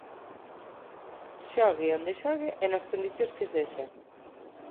Xogue onde xogue e nas condicións que sexa.